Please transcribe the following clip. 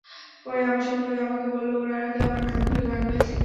পরে আমার সহকারী আমাকে বলল—ওরা নাকি আমার নাম ধরে গান গাইছে।